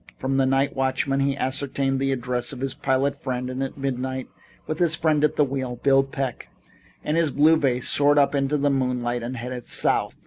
From the night watchman he ascertained the address of his pilot friend and at midnight, with his friend at the wheel, Bill Peck and his blue vase soared up into the moonlight and headed south.